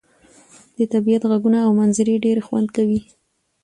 د طبيعت ږغونه او منظرې ډير خوند کوي.